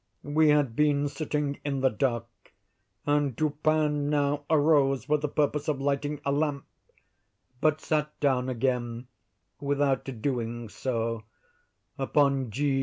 We had been sitting in the dark, and Dupin now arose for the purpose of lighting a lamp, but sat down again, without doing so, upon G.